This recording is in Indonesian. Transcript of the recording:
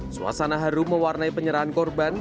suasana haru mewarnai penyerahan korban